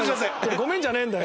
ごめんじゃねえんだよ。